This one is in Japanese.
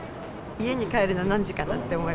家に帰るの何時かなって思い